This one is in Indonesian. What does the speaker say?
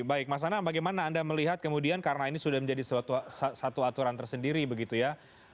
baik mas anam bagaimana anda melihat kemudian karena ini sudah menjadi satu aturan tersendiri begitu ya